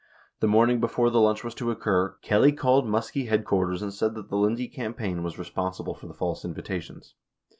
The morning before the lunch was to occur, Kelly called Muskie head quarters and said that the Lindsay campaign was responsible for the false invitations.